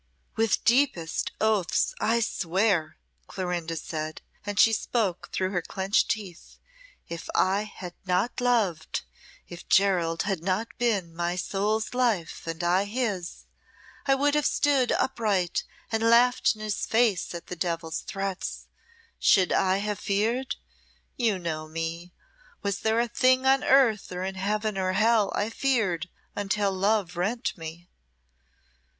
"With deepest oaths I swear," Clorinda said, and she spoke through her clenched teeth, "if I had not loved, if Gerald had not been my soul's life and I his, I would have stood upright and laughed in his face at the devil's threats. Should I have feared? You know me. Was there a thing on earth or in heaven or hell I feared until love rent me.